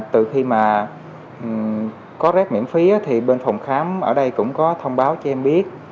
từ khi mà có rét miễn phí thì bên phòng khám ở đây cũng có thông báo cho em biết